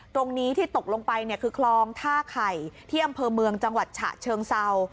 ตรงนี้ที่ตกลงไปเนี่ยคือคลองท่าไข่ที่อำเภอเมืองจังหวัดฉะเชิงเศร้า